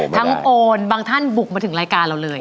โอนบางท่านบุกมาถึงรายการเราเลย